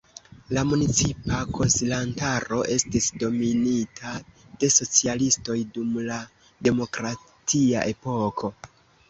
La municipa konsilantaro estis dominita de socialistoj dum la demokratia epoko.